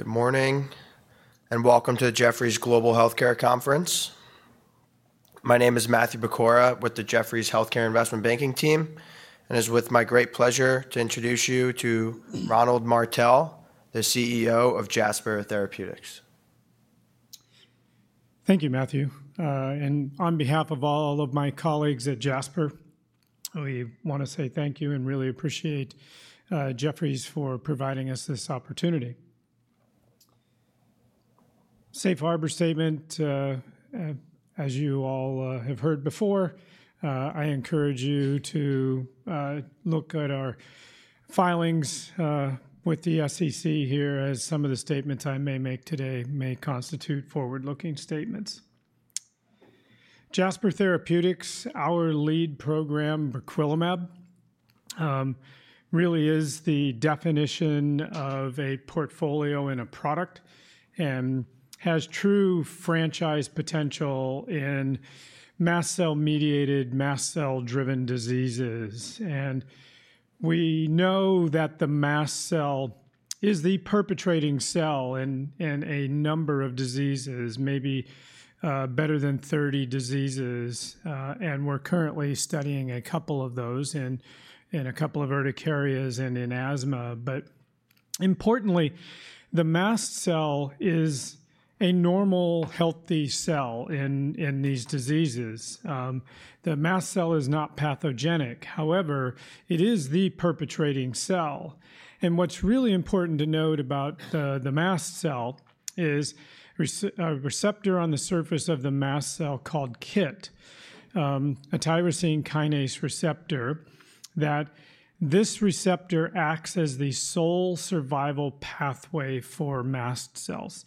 Good morning and welcome to the Jefferies Global Healthcare Conference. My name is Matthew Pecora with the Jefferies Healthcare Investment Banking team, and it's with my great pleasure to introduce you to Ronald Martell, the CEO of Jasper Therapeutics. Thank you, Matthew. On behalf of all of my colleagues at Jasper, we want to say thank you and really appreciate Jefferies for providing us this opportunity. Safe harbor statement, as you all have heard before, I encourage you to look at our filings with the SEC here, as some of the statements I may make today may constitute forward-looking statements. Jasper Therapeutics, our lead program, briquilimab, really is the definition of a portfolio and a product and has true franchise potential in mast cell mediated, mast cell driven diseases. We know that the mast cell is the perpetrating cell in a number of diseases, maybe better than 30 diseases. We are currently studying a couple of those in a couple of urticarias and in asthma. Importantly, the mast cell is a normal healthy cell in these diseases. The mast cell is not pathogenic. However, it is the perpetrating cell. What's really important to note about the mast cell is a receptor on the surface of the mast cell called KIT, a tyrosine kinase receptor, that this receptor acts as the sole survival pathway for mast cells.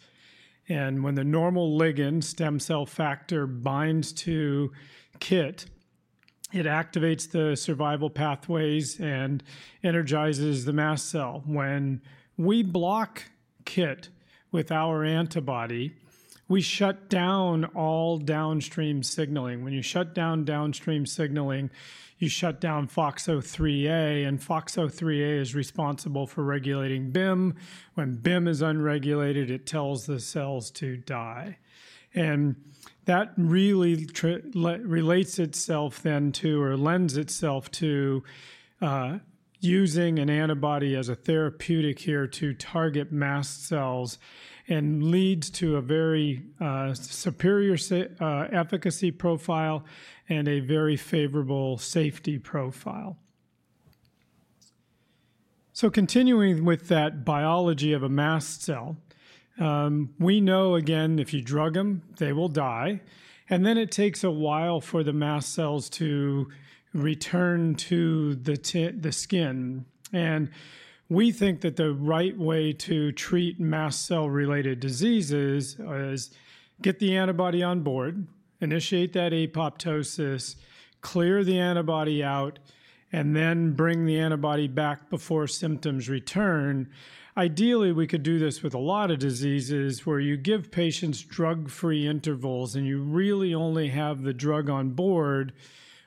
When the normal ligand stem cell factor binds to KIT, it activates the survival pathways and energizes the mast cell. When we block KIT with our antibody, we shut down all downstream signaling. When you shut down downstream signaling, you shut down FOXO3A, and FOXO3A is responsible for regulating BIM. When BIM is unregulated, it tells the cells to die. That really relates itself then to, or lends itself to, using an antibody as a therapeutic here to target mast cells and leads to a very superior efficacy profile and a very favorable safety profile. Continuing with that biology of a mast cell, we know, again, if you drug them, they will die. It takes a while for the mast cells to return to the skin. We think that the right way to treat mast cell related diseases is get the antibody on board, initiate that apoptosis, clear the antibody out, and then bring the antibody back before symptoms return. Ideally, we could do this with a lot of diseases where you give patients drug-free intervals and you really only have the drug on board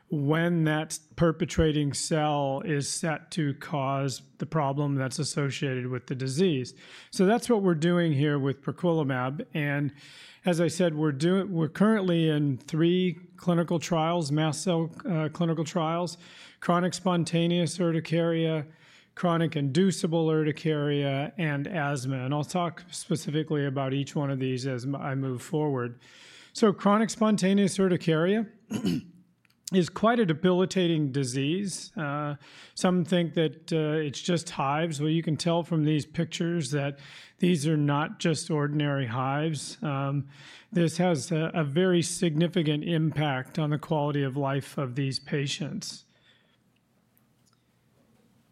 when that perpetrating cell is set to cause the problem that's associated with the disease. That is what we're doing here with briquilimab. As I said, we're currently in three clinical trials, mast cell clinical trials, chronic spontaneous urticaria, chronic inducible urticaria, and asthma. I'll talk specifically about each one of these as I move forward. Chronic spontaneous urticaria is quite a debilitating disease. Some think that it's just hives. You can tell from these pictures that these are not just ordinary hives. This has a very significant impact on the quality of life of these patients.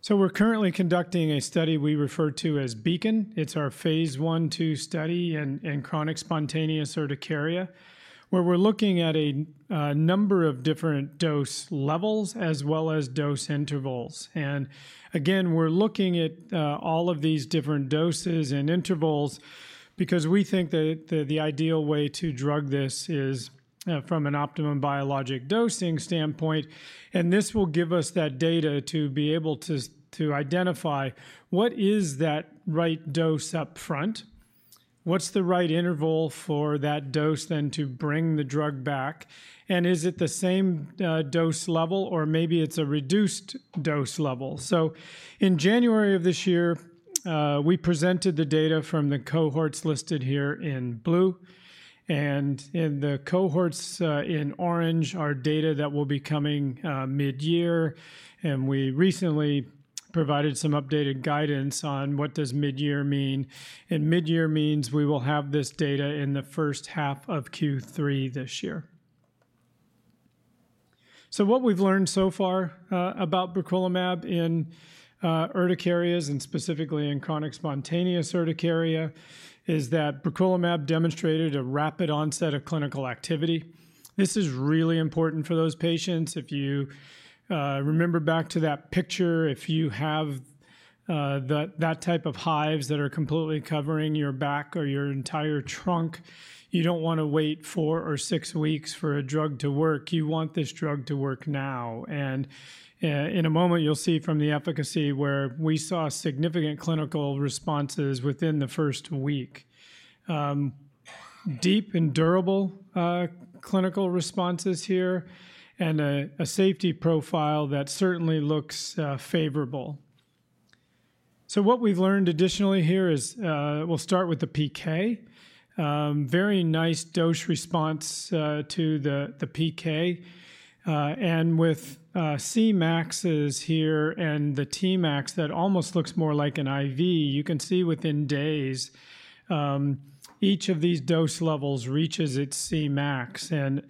We're currently conducting a study we refer to as BEACON. It's our phase one to study in chronic spontaneous urticaria, where we're looking at a number of different dose levels as well as dose intervals. Again, we're looking at all of these different doses and intervals because we think that the ideal way to drug this is from an optimum biologic dosing standpoint. This will give us that data to be able to identify what is that right dose up front, what's the right interval for that dose then to bring the drug back, and is it the same dose level or maybe it's a reduced dose level. In January of this year, we presented the data from the cohorts listed here in blue. In the cohorts in orange, our data that will be coming mid-year. We recently provided some updated guidance on what does mid-year mean. Mid-year means we will have this data in the first half of Q3 this year. What we've learned so far about briquilimab in urticarias and specifically in chronic spontaneous urticaria is that briquilimab demonstrated a rapid onset of clinical activity. This is really important for those patients. If you remember back to that picture, if you have that type of hives that are completely covering your back or your entire trunk, you do not want to wait four or six weeks for a drug to work. You want this drug to work now. In a moment, you will see from the efficacy where we saw significant clinical responses within the first week, deep and durable clinical responses here, and a safety profile that certainly looks favorable. What we have learned additionally here is we will start with the PK, very nice dose response to the PK. With Cmax's here and the Tmax that almost looks more like an IV, you can see within days, each of these dose levels reaches its Cmax.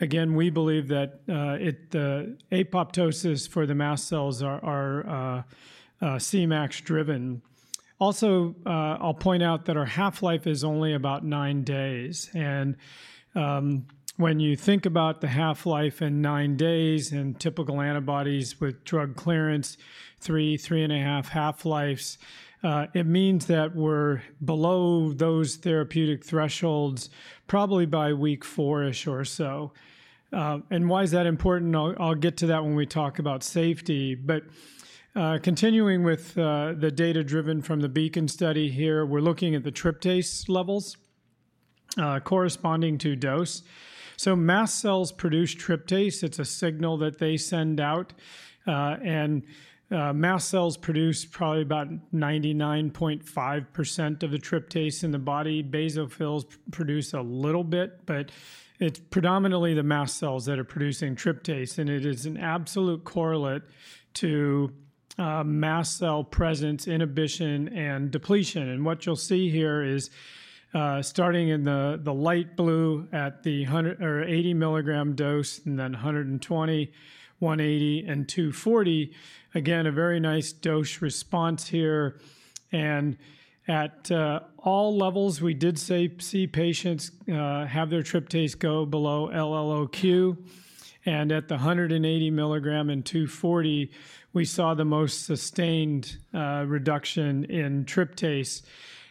Again, we believe that the apoptosis for the mast cells are Cmax driven. Also, I'll point out that our half-life is only about nine days. When you think about the half-life in nine days and typical antibodies with drug clearance, three, three and a half half-lives, it means that we're below those therapeutic thresholds probably by week four-ish or so. Why is that important? I'll get to that when we talk about safety. Continuing with the data driven from the BEACON study here, we're looking at the tryptase levels corresponding to dose. Mast cells produce tryptase. It's a signal that they send out. Mast cells produce probably about 99.5% of the tryptase in the body. Basophils produce a little bit, but it's predominantly the mast cells that are producing tryptase. It is an absolute correlate to mast cell presence, inhibition, and depletion. What you'll see here is starting in the light blue at the 80 mg dose and then 120, 180, and 240. Again, a very nice dose response here. At all levels, we did see patients have their tryptase go below LLOQ. At the 180 mg and 240, we saw the most sustained reduction in tryptase.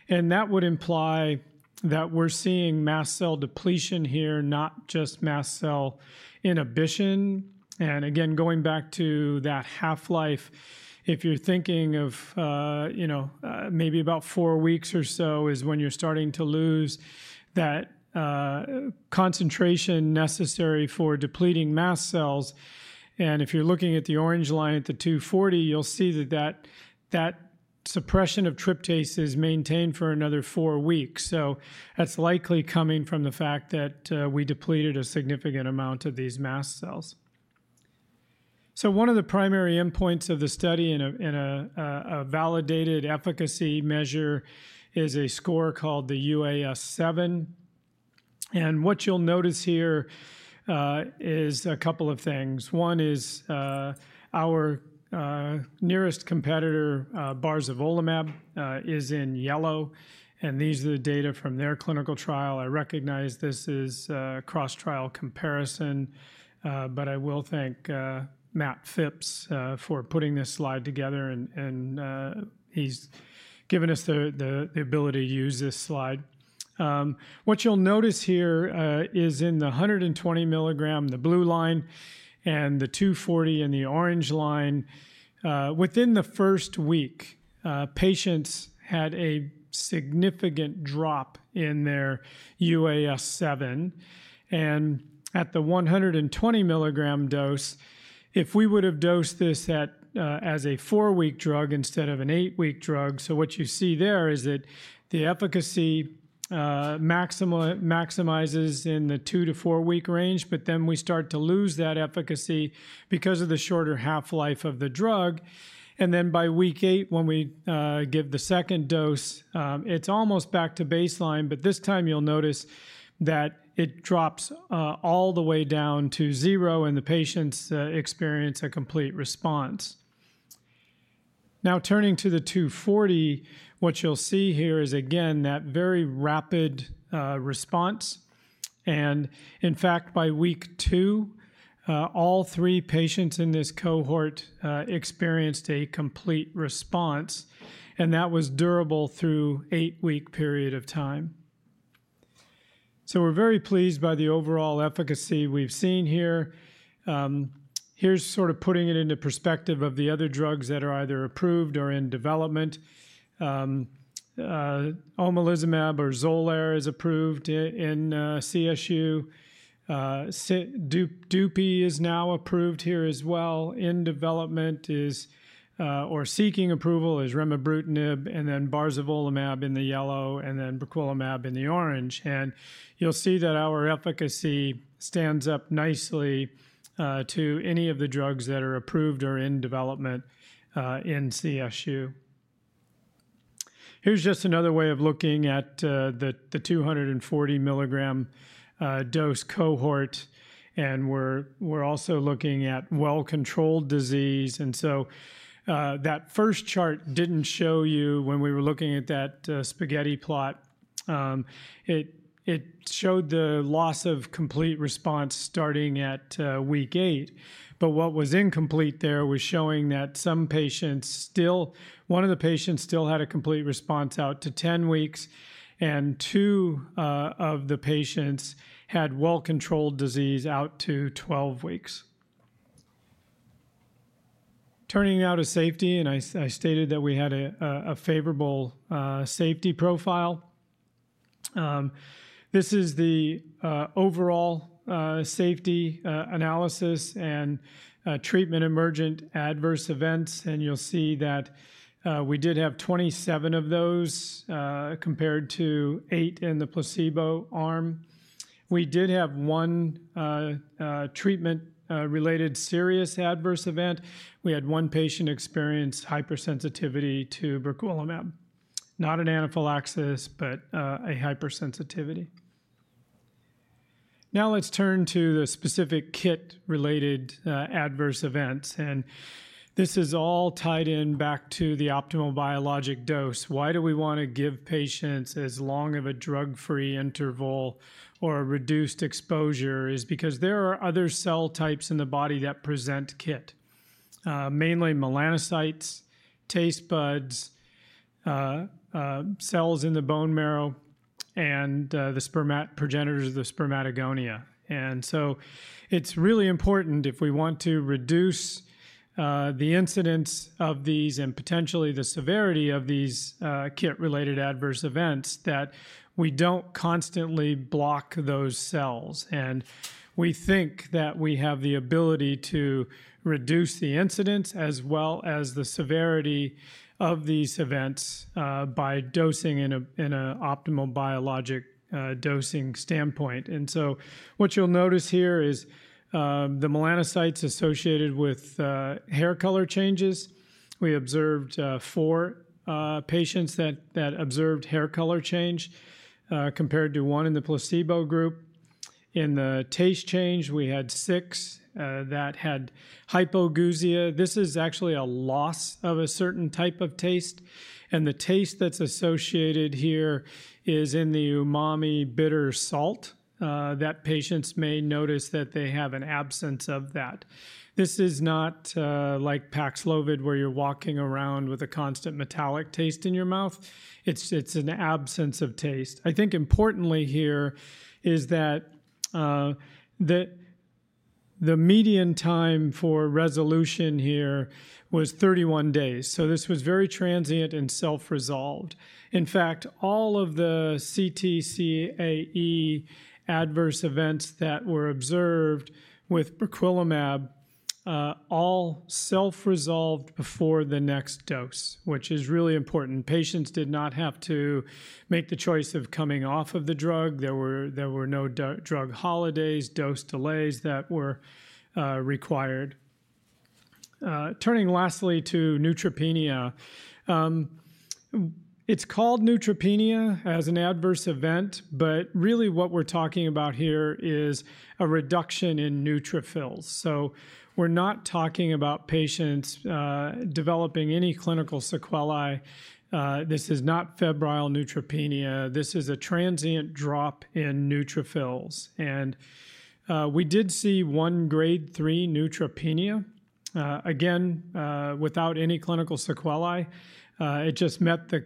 That would imply that we're seeing mast cell depletion here, not just mast cell inhibition. Again, going back to that half-life, if you're thinking of maybe about four weeks or so is when you're starting to lose that concentration necessary for depleting mast cells. If you're looking at the orange line at the 240, you'll see that that suppression of tryptase is maintained for another four weeks. That's likely coming from the fact that we depleted a significant amount of these mast cells. One of the primary endpoints of the study and a validated efficacy measure is a score called the UAS7. What you'll notice here is a couple of things. One is our nearest competitor, barzolvolimab, is in yellow. These are the data from their clinical trial. I recognize this is a cross trial comparison, but I will thank Matt Phipps for putting this slide together. He's given us the ability to use this slide. What you'll notice here is in the 120 mg, the blue line, and the 240 in the orange line, within the first week, patients had a significant drop in their UAS7. At the 120 mg dose, if we would have dosed this as a four-week drug instead of an eight-week drug, what you see there is that the efficacy maximizes in the two to four-week range, but then we start to lose that efficacy because of the shorter half-life of the drug. By week eight, when we give the second dose, it is almost back to baseline. This time you will notice that it drops all the way down to zero and the patients experience a complete response. Now, turning to the 240, what you will see here is again that very rapid response. In fact, by week two, all three patients in this cohort experienced a complete response. That was durable through an eight-week period of time. We are very pleased by the overall efficacy we have seen here. Here's sort of putting it into perspective of the other drugs that are either approved or in development. omalizumab or Xolair is approved in CSU. Dupixent is now approved here as well. In development is or seeking approval is remibrutinib and then rarzolvolimab in the yellow and then briquilimab in the orange. You'll see that our efficacy stands up nicely to any of the drugs that are approved or in development in CSU. Here's just another way of looking at the 240 mg dose cohort. We're also looking at well-controlled disease. That first chart didn't show you when we were looking at that spaghetti plot, it showed the loss of complete response starting at week eight. What was incomplete there was showing that some patients still, one of the patients still had a complete response out to 10 weeks. Two of the patients had well-controlled disease out to 12 weeks. Turning now to safety, I stated that we had a favorable safety profile. This is the overall safety analysis and treatment emergent adverse events. You'll see that we did have 27 of those compared to eight in the placebo arm. We did have one treatment-related serious adverse event. We had one patient experience hypersensitivity to briquilimab, not an anaphylaxis, but a hypersensitivity. Now let's turn to the specific KIT-related adverse events. This is all tied back to the optimal biologic dose. Why do we want to give patients as long of a drug-free interval or reduced exposure is because there are other cell types in the body that present KIT, mainly melanocytes, taste buds, cells in the bone marrow, and the progenitors of the spermatogonia. It is really important if we want to reduce the incidence of these and potentially the severity of these KIT-related adverse events that we do not constantly block those cells. We think that we have the ability to reduce the incidence as well as the severity of these events by dosing in an optimal biologic dosing standpoint. What you will notice here is the melanocytes associated with hair color changes. We observed four patients that observed hair color change compared to one in the placebo group. In the taste change, we had six that had hypogeusia. This is actually a loss of a certain type of taste. The taste that is associated here is in the umami, bitter, salt that patients may notice that they have an absence of that. This is not like paxlovid where you are walking around with a constant metallic taste in your mouth. It's an absence of taste. I think importantly here is that the median time for resolution here was 31 days. This was very transient and self-resolved. In fact, all of the CTCAE adverse events that were observed with briquilimab all self-resolved before the next dose, which is really important. Patients did not have to make the choice of coming off of the drug. There were no drug holidays, dose delays that were required. Turning lastly to neutropenia, it's called neutropenia as an adverse event, but really what we're talking about here is a reduction in neutrophils. We're not talking about patients developing any clinical sequelae. This is not febrile neutropenia. This is a transient drop in neutrophils. We did see one grade 3 neutropenia, again, without any clinical sequelae. It just met the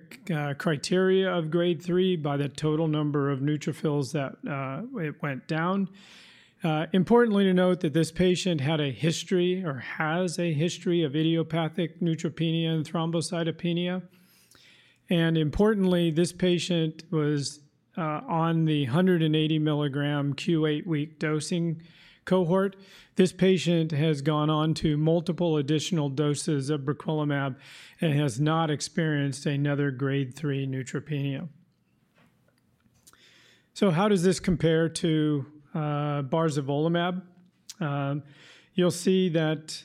criteria of grade 3 by the total number of neutrophils that it went down. Importantly to note that this patient had a history or has a history of idiopathic neutropenia and thrombocytopenia. Importantly, this patient was on the 180 mg Q8 week dosing cohort. This patient has gone on to multiple additional doses of briquilimab and has not experienced another grade 3 neutropenia. How does this compare to barzolvolimab? You'll see that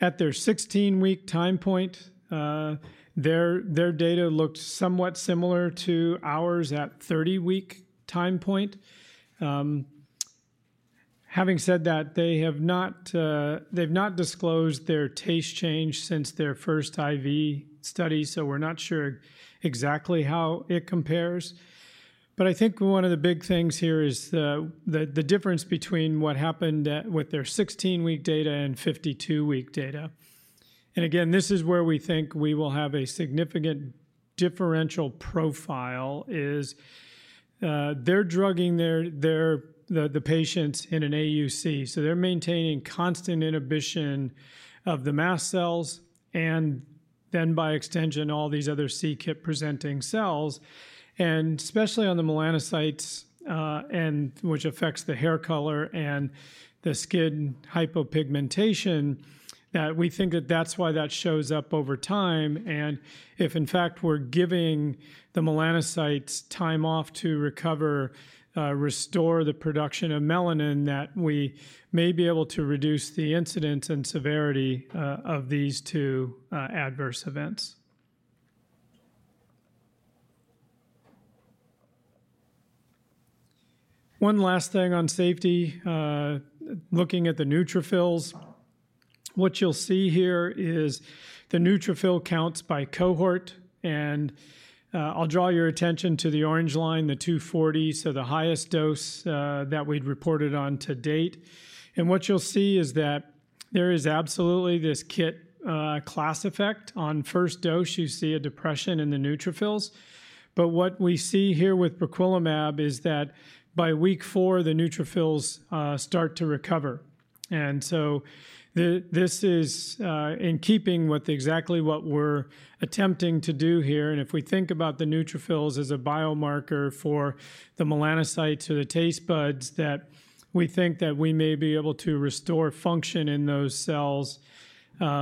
at their 16-week time point, their data looked somewhat similar to ours at the 30-week time point. Having said that, they have not disclosed their taste change since their first IV study. We're not sure exactly how it compares. I think one of the big things here is the difference between what happened with their 16-week data and 52-week data. Again, this is where we think we will have a significant differential profile is they're drugging the patients in an AUC. They're maintaining constant inhibition of the mast cells and then by extension, all these other KIT presenting cells. Especially on the melanocytes, which affects the hair color and the skin hypopigmentation, we think that that's why that shows up over time. If in fact we're giving the melanocytes time off to recover, restore the production of melanin, we may be able to reduce the incidence and severity of these two adverse events. One last thing on safety, looking at the neutrophils, what you'll see here is the neutrophil counts by cohort. I'll draw your attention to the orange line, the 240, so the highest dose that we've reported on to date. What you'll see is that there is absolutely this KIT class effect. On first dose, you see a depression in the neutrophils. What we see here with briquilimab is that by week four, the neutrophils start to recover. This is in keeping with exactly what we're attempting to do here. If we think about the neutrophils as a biomarker for the melanocytes or the taste buds, we think that we may be able to restore function in those cells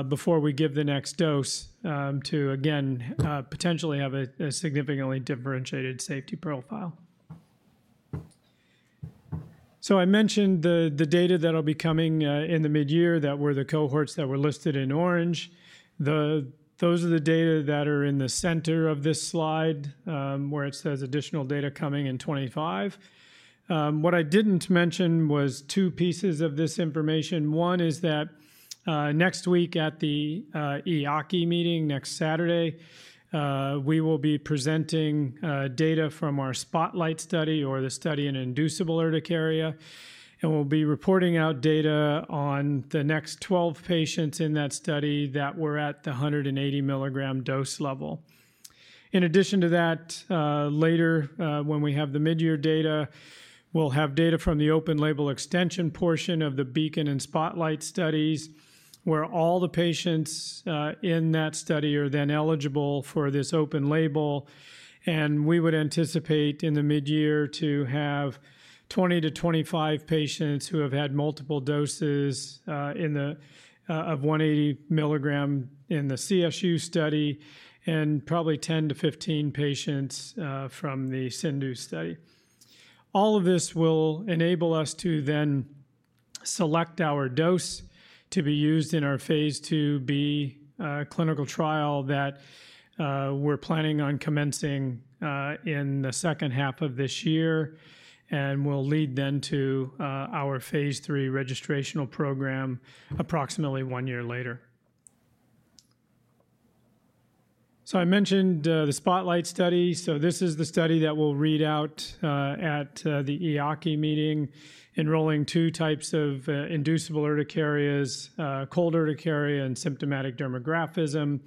before we give the next dose to, again, potentially have a significantly differentiated safety profile. I mentioned the data that will be coming in the mid-year that were the cohorts that were listed in orange. Those are the data that are in the center of this slide where it says additional data coming in 2025. What I didn't mention was two pieces of this information. One is that next week at the EAACI meeting next Saturday, we will be presenting data from our SPOTLIGHT study or the study in inducible urticaria. We will be reporting out data on the next 12 patients in that study that were at the 180 mg dose level. In addition to that, later when we have the mid-year data, we will have data from the open label extension portion of the BEACON and SPOTLIGHT studies where all the patients in that study are then eligible for this open label. We would anticipate in the mid-year to have 20-25 patients who have had multiple doses of 180 mg in the CSU study and probably 10-15 patients from the SINDU study. All of this will enable us to then select our dose to be used in our phase II-B clinical trial that we're planning on commencing in the second half of this year. It will lead then to our phase III registrational program approximately one year later. I mentioned the SPOTLIGHT study. This is the study that will read out at the EAACI meeting enrolling two types of inducible urticarias, cold urticaria and symptomatic dermographism.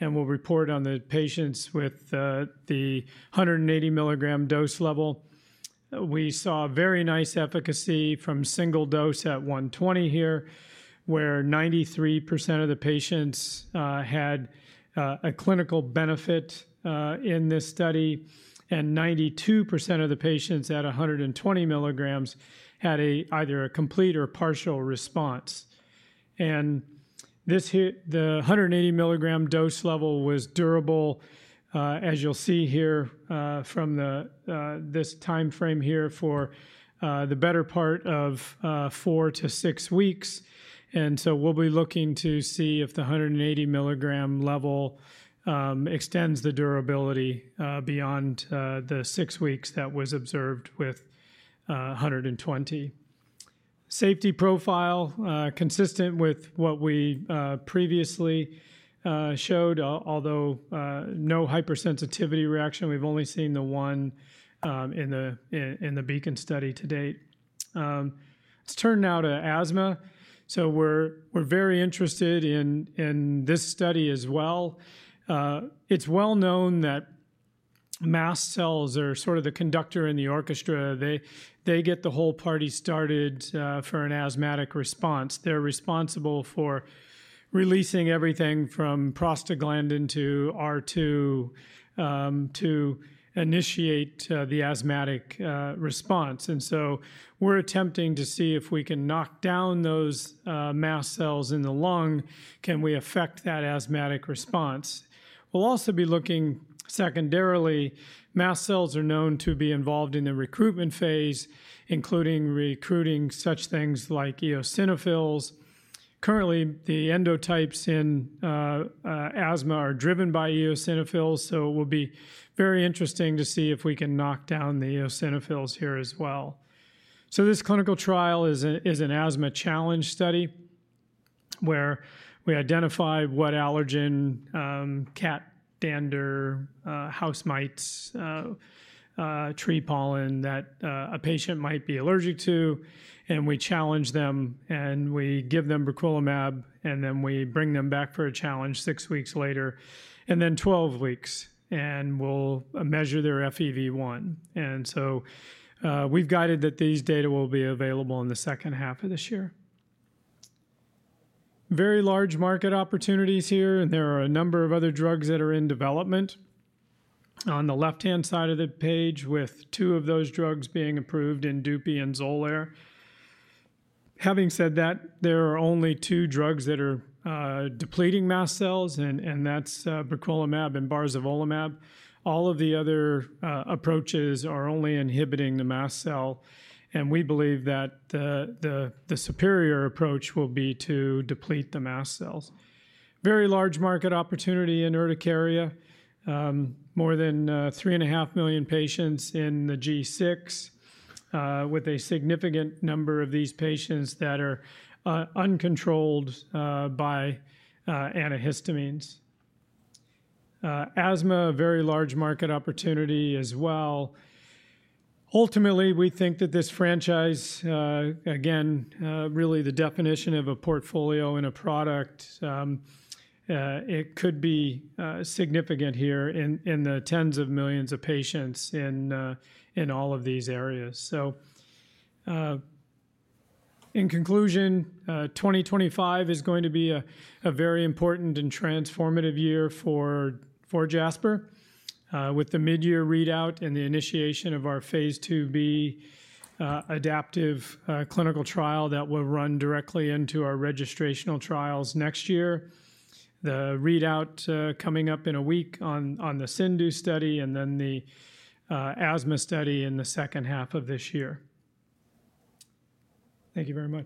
We will report on the patients with the 180 mg dose level. We saw very nice efficacy from single dose at 120 mg here where 93% of the patients had a clinical benefit in this study. 92% of the patients at 120 mg had either a complete or partial response. The 180 milligram dose level was durable, as you'll see here from this time frame here for the better part of four to six weeks. We'll be looking to see if the 180 milligram level extends the durability beyond the six weeks that was observed with 120. Safety profile consistent with what we previously showed, although no hypersensitivity reaction. We've only seen the one in the BEACON study to date. Let's turn now to asthma. We are very interested in this study as well. It is well known that mast cells are sort of the conductor in the orchestra. They get the whole party started for an asthmatic response. They're responsible for releasing everything from prostaglandin to R2 to initiate the asthmatic response. We are attempting to see if we can knock down those mast cells in the lung. Can we affect that asthmatic response? We'll also be looking secondarily. Mast cells are known to be involved in the recruitment phase, including recruiting such things like eosinophils. Currently, the endotypes in asthma are driven by eosinophils. It will be very interesting to see if we can knock down the eosinophils here as well. This clinical trial is an asthma challenge study where we identify what allergen, cat, dander, house mites, tree pollen that a patient might be allergic to. We challenge them and we give them briquilimab. We bring them back for a challenge six weeks later and then 12 weeks. We'll measure their FEV1. We've guided that these data will be available in the second half of this year. Very large market opportunities here. There are a number of other drugs that are in development on the left-hand side of the page with two of those drugs being approved in Dupixent and Xolair. Having said that, there are only two drugs that are depleting mast cells, and that's briquilimab and barzolvolimab. All of the other approaches are only inhibiting the mast cell, and we believe that the superior approach will be to deplete the mast cells. Very large market opportunity in urticaria, more than 3.5 million patients in the G6 with a significant number of these patients that are uncontrolled by antihistamines. Asthma, very large market opportunity as well. Ultimately, we think that this franchise, again, really the definition of a portfolio and a product, it could be significant here in the tens of millions of patients in all of these areas. In conclusion, 2025 is going to be a very important and transformative year for Jasper with the mid-year readout and the initiation of our phase II-B adaptive clinical trial that will run directly into our registrational trials next year, the readout coming up in a week on the [SINDU] brackets study and then the asthma study in the second half of this year. Thank you very much.